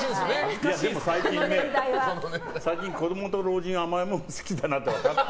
でも最近ね、子供と老人甘いもの好きだなって分かった。